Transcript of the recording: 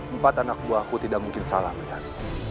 empat anak buahku tidak mungkin salah mencari